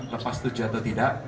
lepas tujuh atau tidak